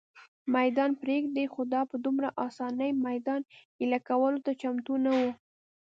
مېدان پرېږدي، خو دا په دومره آسانۍ مېدان اېله کولو ته چمتو نه وه.